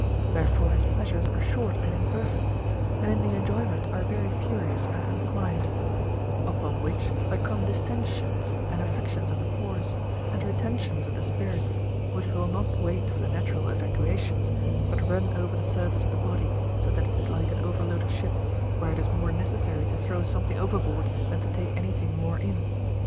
Wherefore his pleasures are short and imperfect, and in the enjoyment are very furious and unquiet ; upon which there come distentions, and affections of the pores, and retentions of the spirits, Avhich will not wait for the natural evacuations, but run over the surface of the body, so that it is like an overloaded ship, Λvhere it is more necessary to throw something overboard than to take any thing more in.